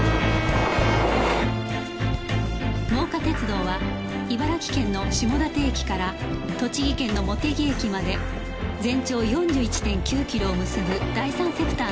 真岡鐵道は茨城県の下館駅から栃木県の茂木駅まで全長 ４１．９ キロを結ぶ第三セクターの路線である